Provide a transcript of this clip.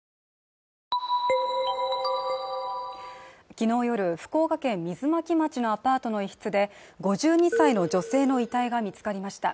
昨日夜福岡県水巻町のアパートの一室で５２歳の女性の遺体が見つかりました。